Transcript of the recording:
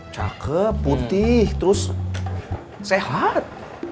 cakep putih terus sehat